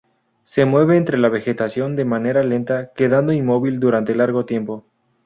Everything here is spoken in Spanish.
Se mueve entre la vegetación de manera lenta, quedando inmóvil durante largo tiempo.